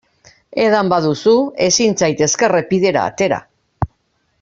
Edan baduzu ezin zaitezke errepidera atera.